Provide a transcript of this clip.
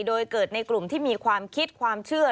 โดยเกิดในกลุ่มที่มีความคิดความเชื่อ